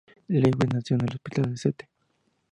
Lewis nació en el Hospital de St.